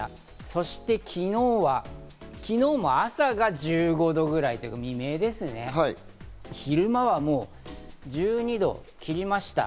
そして昨日は、昨日は朝が１５度ぐらい、未明ですね、昼間はもう、１２度を切りました。